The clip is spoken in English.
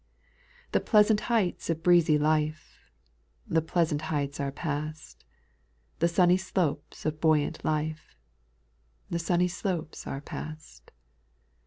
3. The pleasant heights of breezy life. The pleasant heights are past ; The sunny slopes of buoyant life. The sunny slopes are past.